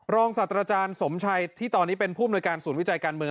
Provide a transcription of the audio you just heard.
ศาสตราจารย์สมชัยที่ตอนนี้เป็นผู้มนุยการศูนย์วิจัยการเมือง